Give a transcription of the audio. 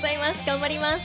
頑張ります。